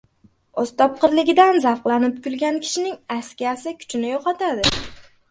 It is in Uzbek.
O‘z topqirligidan zavqlanib kulgan kishining askiyasi kuchini yo‘qotadi.